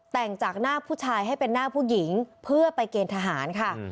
แต่งจากหน้าผู้ชายให้เป็นหน้าผู้หญิงเพื่อไปเกณฑ์ทหารค่ะ